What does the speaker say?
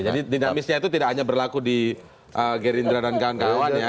jadi dinamisnya itu tidak hanya berlaku di gerindra dan kawan kawan ya